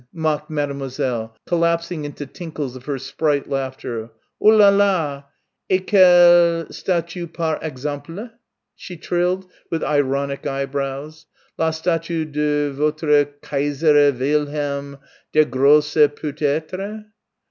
mocked Mademoiselle, collapsing into tinkles of her sprite laughter.... "Oh là là! Et quelle statue par exemple?" she trilled, with ironic eyebrows, "la statue de votre Kaisère Wilhelm der Grosse peut être?"